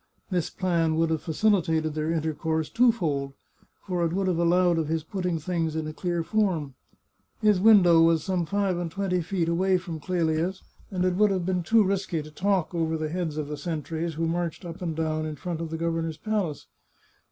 This plan would have facilitated their intercourse twofold, for it would have allowed of his putting things in a clear form. His window was some five and twenty feet away from Clelia's, and it would have been too risky to talk over the heads of the sentries, who marched up and down in front of the governor's palace.